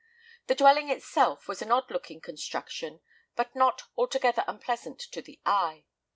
The dwelling itself was an odd looking construction, but not altogether unpleasant to the eye.